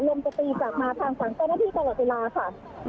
ลมจะตีกลับมาทางศักดิ์เจ้าหน้าที่ประหลาดศิลาค่ะ